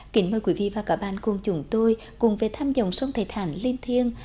kính mời quý vị và các bạn cùng chúng tôi cùng về thăm dòng sông thầy thản linh thiêng